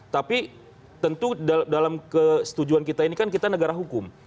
tapi tentu dalam kesetujuan kita ini kan kita negara hukum